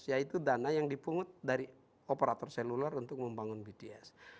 yaitu dana yang dipungut dari operator seluler untuk membangun bts